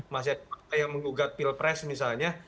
masih ada partai yang mengugat pilpres misalnya